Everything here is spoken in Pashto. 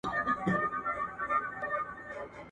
چي موږ ټوله په یوه ژبه ګړېږو.